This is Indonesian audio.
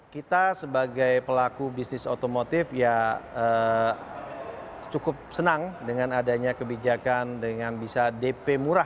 kita sebagai pelaku bisnis otomotif ya cukup senang dengan adanya kebijakan dengan bisa dp murah